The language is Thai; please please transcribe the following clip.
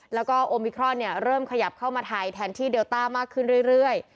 แล้วก็โอมิครอนเริ่มขยับเข้ามาไทยแทนที่เดลต้ามากขึ้นเรื่อย